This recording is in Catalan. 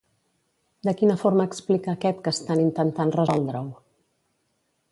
De quina forma explica aquest que estan intentant resoldre-ho?